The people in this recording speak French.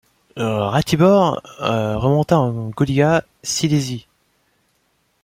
Ratibor remonta en Gauliga Silésie.